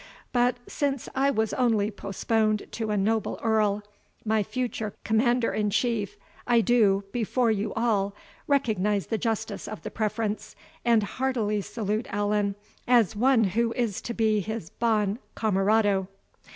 But since I was only postponed to a noble earl, my future commander in chief, I do, before you all, recognise the justice of the preference, and heartily salute Allan as one who is to be his BON CAMARADO."